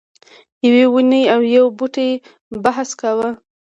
یوې ونې او یو بوټي بحث کاوه.